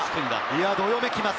どよめきます。